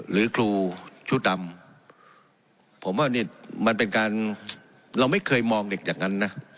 หรือครูชุดดำผมว่านี่มันเป็นการเราไม่เคยมองเด็กอย่างนั้นนะ